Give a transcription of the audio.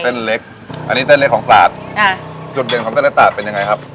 เส้นเล็กอันนี้เส้นเล็กของตราดค่ะจุดเด่นของเส้นและตราดเป็นยังไงครับ